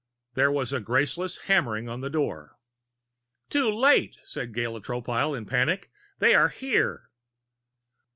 There was a graceless hammering on the door. "Too late!" cried Gala Tropile in panic. "They are here!"